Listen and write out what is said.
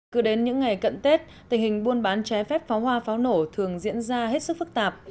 cứ đến những ngày cận tết tình hình buôn bán trái phép pháo hoa pháo nổ thường diễn ra hết sức phức tạp